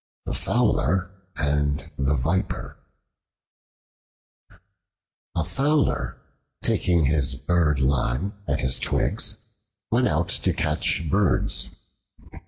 The Fowler and the Viper A FOWLER, taking his bird lime and his twigs, went out to catch birds.